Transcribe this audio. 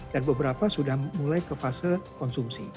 dan beberapa sudah mulai ke fase konsumsi